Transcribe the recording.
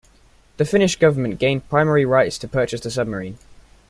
The Finnish Government gained primary rights to purchase the submarine.